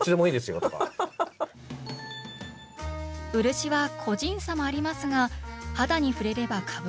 漆は個人差もありますが肌に触れればかぶれるもの。